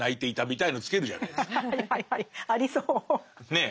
ねえ。